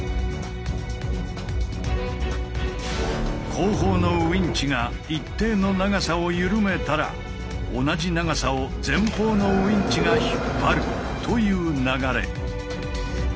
後方のウインチが一定の長さを緩めたら同じ長さを前方のウインチが引っ張るという流れ。